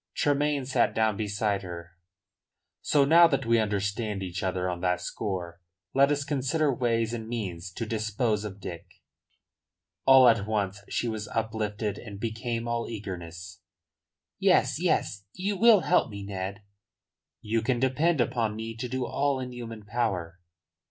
Tremayne sat down beside her. "So now that we understand each other on that score, let us consider ways and means to dispose of Dick." At once she was uplifted and became all eagerness. "Yes, Yes. You will help me, Ned?" "You can depend upon me to do all in human power."